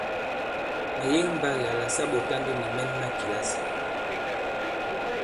Mɛ̀ yege mbagì la sa ɓɔ̀ta ndi nì mɛn ma kìlasì.